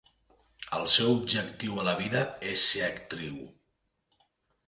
El seu objectiu a la vida és ser actriu.